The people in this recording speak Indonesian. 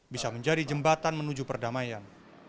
bisa menjadi jembatan menuju perdamaian